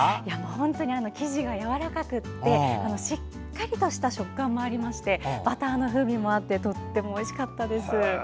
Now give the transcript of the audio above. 本当に生地がやわらかくてしっかりとした食感もありましてバターの風味もあってとてもおいしかったです。